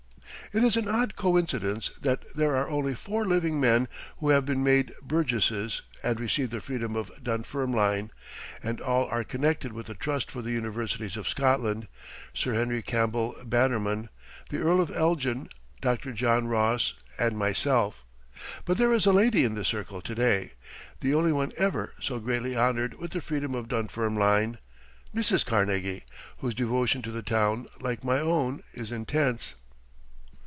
It is an odd coincidence that there are only four living men who have been made Burgesses and received the Freedom of Dunfermline, and all are connected with the trust for the Universities of Scotland, Sir Henry Campbell Bannerman, the Earl of Elgin, Dr. John Ross, and myself. But there is a lady in the circle to day, the only one ever so greatly honored with the Freedom of Dunfermline, Mrs. Carnegie, whose devotion to the town, like my own, is intense.